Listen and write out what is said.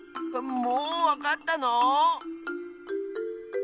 もうわかったの？